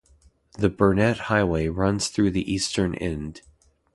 The Burnett Highway runs through the eastern end.